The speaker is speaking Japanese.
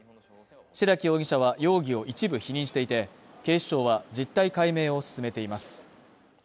白木容疑者は容疑を一部否認していて、警視庁は実態解明を進めています。